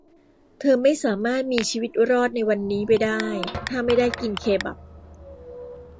เธอไม่สามารถมีชีวิตรอดในวันนี้ไปได้ถ้าไม่ได้กินเคบับ